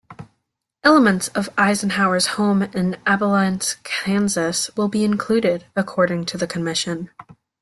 Elements of Eisenhower's home in Abilene, Kansas will be included, according to the commission.